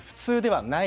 はい。